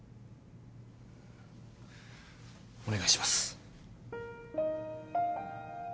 お願いします。